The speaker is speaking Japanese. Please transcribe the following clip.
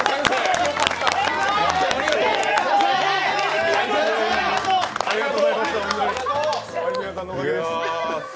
ありがとうございます。